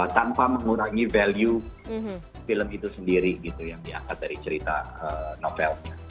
tanpa mengurangi value film itu sendiri gitu yang diangkat dari cerita novelnya